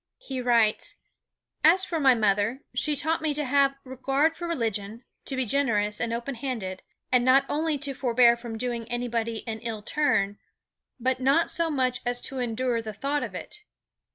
He writes: "As for my mother, she taught me to have regard for religion, to be generous and open handed, and not only to forbear from doing anybody an ill turn, but not so much as to endure the thought of it."